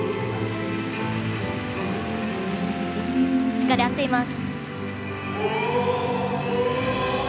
しっかり合っています。